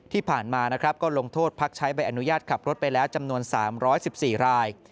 ที่ผ่านมานะครับก็ลงโทษพักใช้ใบอนุญาตขับรถไปแล้วจำนวน๓๑๔ราย